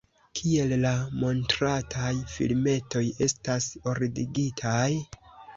Kiel la montrataj filmetoj estas ordigitaj?